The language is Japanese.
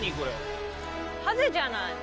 ハゼじゃないの？